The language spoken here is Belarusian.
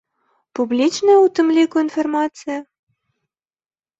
Публічная ў тым ліку інфармацыя?